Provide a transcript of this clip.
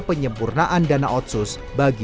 penyempurnaan dana otsus bagi